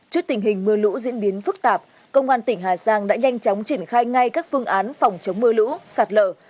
trước tình hình mưa lũ diễn biến phức tạp công an tỉnh hà giang đã nhanh chóng triển khai ngay các phương án phòng chống mưa lũ sạt lở